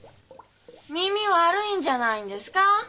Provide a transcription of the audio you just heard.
耳悪いんじゃないんですか？